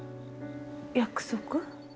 約束？